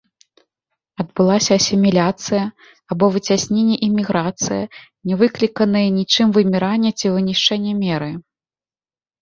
Адбылася асіміляцыя, або выцясненне і міграцыя, не выкліканае нічым выміранне ці вынішчэнне меры?